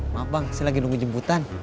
maaf bang saya lagi nunggu jemputan